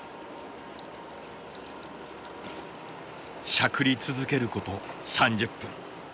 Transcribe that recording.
しゃくり続けること３０分。